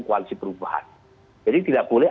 koalisi perubahan jadi tidak boleh